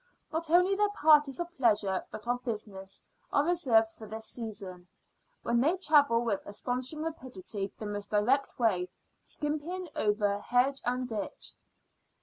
Not only their parties of pleasure but of business are reserved for this season, when they travel with astonishing rapidity the most direct way, skimming over hedge and ditch.